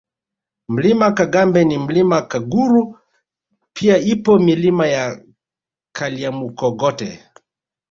Mlima Kagambe na Mlima Kaguru pia ipo Milima ya Kalyamukogote